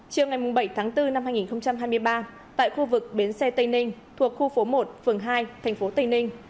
chiều ngày bảy tháng bốn năm hai nghìn hai mươi ba tại khu vực bến xe tây ninh thuộc khu phố một phường hai thành phố tây ninh